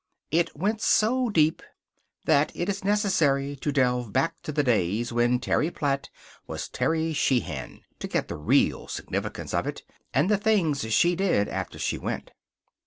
It went so deep that it is necessary to delve back to the days when Theresa Platt was Terry Sheehan to get the real significance of it, and of the things she did after she went.